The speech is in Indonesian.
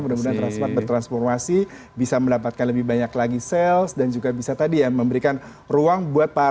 mudah mudahan transmart bertransformasi bisa mendapatkan lebih banyak lagi sales dan juga bisa tadi ya memberikan ruang buat para